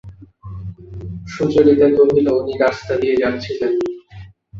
সুচরিতা কহিল, উনি রাস্তা দিয়ে যাচ্ছিলেন।